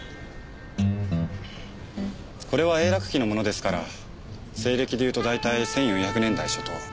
これは永楽期のものですから西暦でいうと大体１４００年代初頭。